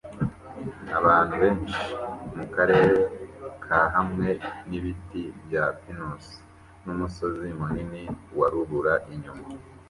Abantu benshi mukarere kahamwe nibiti bya pinusi numusozi munini wurubura inyuma